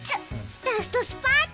ラストスパート。